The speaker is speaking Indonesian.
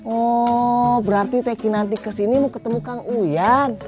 oh berarti teh kinanti kesini mau ketemu kang uyan